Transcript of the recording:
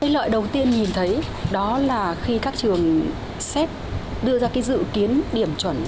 lợi đầu tiên nhìn thấy đó là khi các trường xét đưa ra dự kiến điểm chuẩn